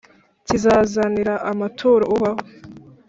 kizazanira amaturo Uhoraho,